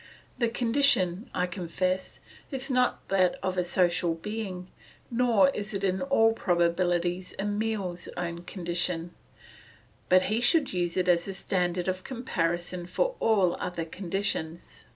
The condition, I confess, is not that of a social being, nor is it in all probability Emile's own condition, but he should use it as a standard of comparison for all other conditions.